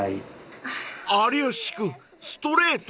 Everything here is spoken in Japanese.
［有吉君ストレート？］